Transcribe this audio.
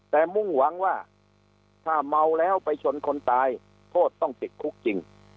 แต่มุ่งหวังว่าถ้าเมาแล้วไปชนคนตายโทษต้องติดคุกจริง